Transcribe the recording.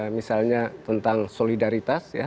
misalnya tentang solidaritas ya